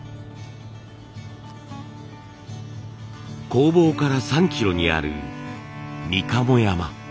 工房から３キロにあるみかも山。